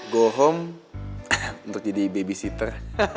go home untuk jadi babysitter